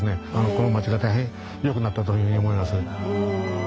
この町が大変良くなったというふうに思います。